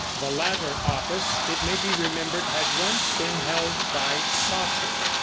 The latter office, it may be remembered, had once been held by Chaucer.